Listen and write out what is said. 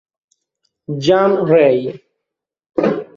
Jean Rey